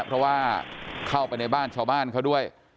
เพราะว่าเข้าไปในบ้านชาวบ้านเขาด้วย